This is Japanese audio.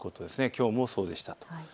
きょうもそうでした。